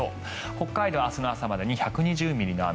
北海道、明日の朝までに１２０ミリの雨